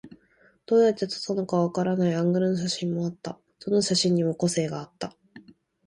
どうやって撮ったのかわからないアングルの写真もあった。どの写真にも個性があった。